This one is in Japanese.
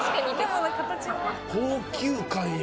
高級感よ。